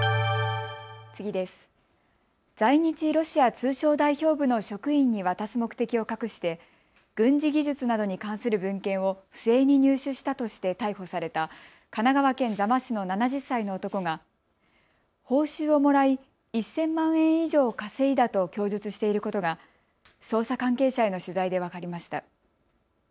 在日ロシア通商代表部の職員に渡す目的を隠して軍事技術などに関する文献を不正に入手したとして逮捕された神奈川県座間市の７０歳の男が報酬をもらい、１０００万円以上稼いだと供述していることが捜査関係者への取材で分かりました。